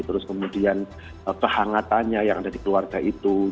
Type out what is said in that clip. terus kemudian kehangatannya yang ada di keluarga itu